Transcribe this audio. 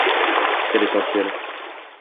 C’est l’essentiel